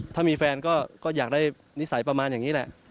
ถ้ามีแฟนก็อยากได้นิสัยประมาณอย่างนี้แหละ